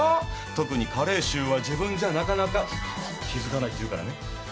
特に加齢臭は自分じゃなかなか気付かないっていうからね。